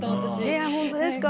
いやホントですか？